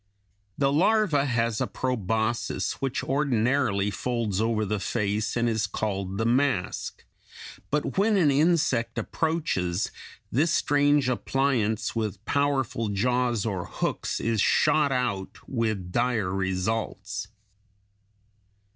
The larva has a proboscis which ordinarily folds over the face and is called the mask (B), but when an insect approaches, this strange appliance with powerful jaws or hooks is shot out (A) with dire results.